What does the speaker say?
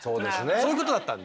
そういうことだったんで。